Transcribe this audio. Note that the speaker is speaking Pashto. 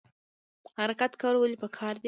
حرکت کول ولې پکار دي؟